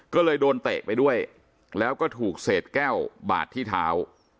ก็เลยโดนเตะไปด้วยแล้วก็ถูกเศษแก้วบาดที่เท้า